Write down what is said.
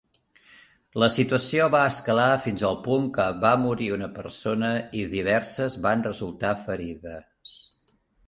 La situació va escalar fins al punt que va morir una persona i diverses van resultar ferides.